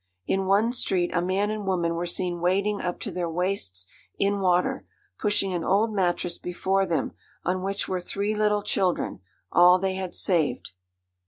In one street a man and woman were seen wading up to their waists in water, pushing an old mattress before them, on which were three little children, all they had saved.